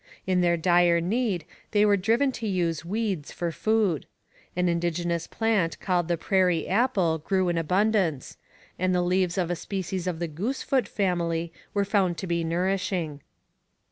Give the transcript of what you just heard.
In their dire need they were driven to use weeds for food. An indigenous plant called the prairie apple grew in abundance, and the leaves of a species of the goosefoot family were found to be nourishing.